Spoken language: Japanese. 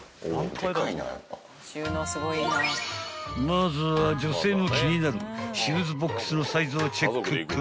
［まずは女性も気になるシューズボックスのサイズをチェックック］